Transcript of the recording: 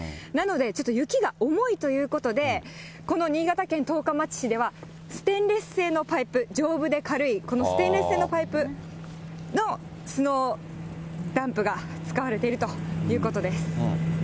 なのでちょっと雪が重いということで、この新潟県十日町市では、ステンレス製のパイプ、丈夫で軽い、このステンレス製のパイプのスノーダンプが使われているということです。